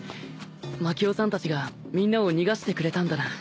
まきをさんたちがみんなを逃がしてくれたんだな。